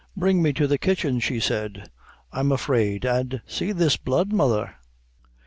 "Bring me to the kitchen," said she, "I'm afraid; and see this blood, mother."